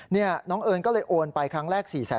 นี่น้องเอิญก็เลยโอนไปครั้งแรก๔๐๐๐